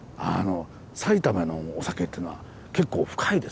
埼玉のお酒っていうのは結構深いですね。